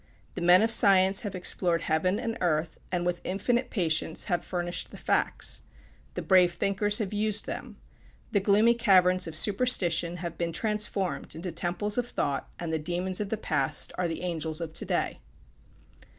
The men of science have explored heaven and earth, and with infinite patience have furnished the facts. The brave thinkers have used them. The gloomy caverns of superstition have been transformed into temples of thought, and the demons of the past are the angels of to day.